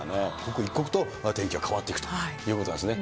刻一刻と天気が変わっていくということなんですね。